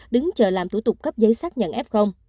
đứng chờ làm thủ tục cấp giấy xác nhận f